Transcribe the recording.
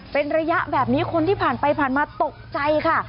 เป็นระยะแบบนี้คนที่ผ่านไปผ่านมาตกใจค่ะ